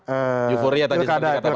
euforia tadi seperti kata pak itam